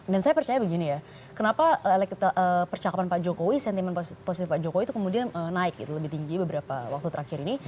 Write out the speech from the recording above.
dan saya percaya begini ya kenapa percakapan pak jokowi sentimen positif pak jokowi itu kemudian naik lebih tinggi beberapa waktu terakhir ini